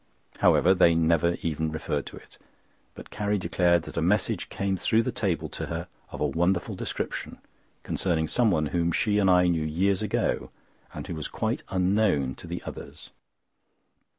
However, they never even referred to it, but Carrie declared that a message came through the table to her of a wonderful description, concerning someone whom she and I knew years ago, and who was quite unknown to the others.